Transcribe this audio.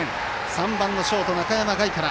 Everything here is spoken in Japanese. ３番のショート、中山凱から。